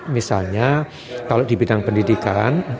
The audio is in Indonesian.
misalnya kalau di bidang pendidikan